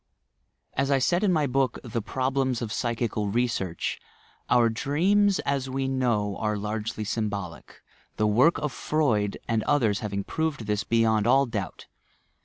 As I said in my book "The Problems of Psychical Re search"! "Our dreams, as we know, are largely sym bolic — the work of Freud and others having proved this ^B beyont SYMBOLISM 105 beyoad all doubt.